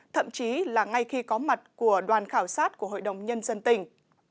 thậm chí là ngay khi có mặt của đoàn khảo sát của hội đồng nhân dân tỉnh